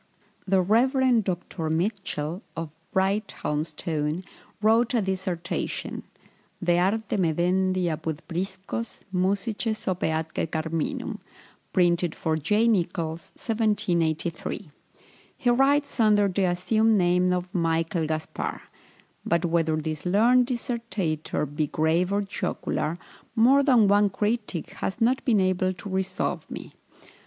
The Rev. Dr. Mitchell, of Brighthelmstone, wrote a dissertation, "De Arte Medendi apud Priscos, Musices ope atque Carminum," printed for J. Nichols, 1783. He writes under the assumed name of Michael Gaspar; but whether this learned dissertator be grave or jocular, more than one critic has not been able to resolve me.